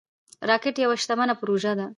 راکټ یوه شتمنه پروژه ده